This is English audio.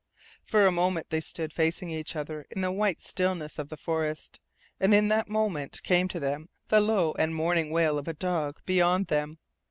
For a moment they stood facing each other in the white stillness of the forest, and in that moment there came to them the low and mourning wail of a dog beyond them.